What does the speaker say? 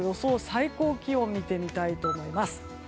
最高気温を見てみたいと思います。